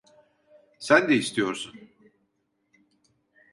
Sen de istiyorsun.